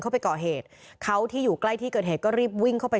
เข้าไปก่อเหตุเขาที่อยู่ใกล้ที่เกิดเหตุก็รีบวิ่งเข้าไป